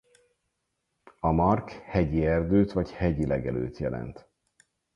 A mark hegyi erdőt vagy hegyi legelőt jelent.